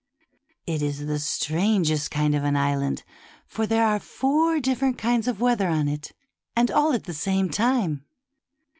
It is the strangest kind of an island, for there are four different kinds of weather on it, and all at the same time.